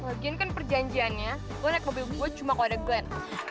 lagian kan perjanjiannya gue naik mobil gue cuma kalau ada glenn